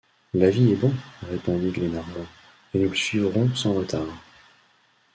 L’avis est bon, répondit Glenarvan, et nous le suivrons sans retard.